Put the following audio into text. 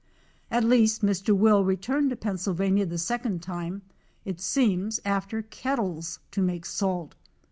At least Mr. Will returned to Pennsylvania the second time, it seems after kettles to make salt.